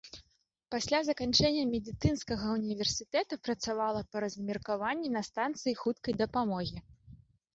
Пасля заканчэння медыцынскага ўніверсітэта працавала па размеркаванні на станцыі хуткай дапамогі.